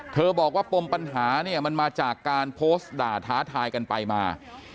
บอกว่าปมปัญหาเนี่ยมันมาจากการโพสต์ด่าท้าทายกันไปมา